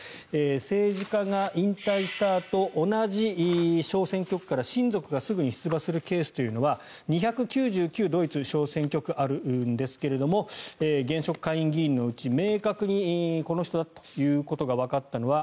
政治家が引退したあと同じ小選挙区から親族がすぐに出馬するケースというのは２９９、ドイツ小選挙区あるんですけれど現職下院議員のうち明確にこの人だということがわかったのは